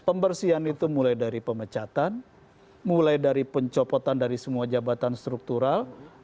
pembersihan itu mulai dari pemecatan mulai dari pencopotan dari semua jabatan struktural